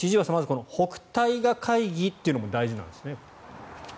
この北戴河会議というのも大事なんですね。